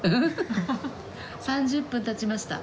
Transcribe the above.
３０分経ちました。